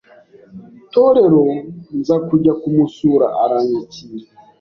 torero nza kujya kumusura aranyakira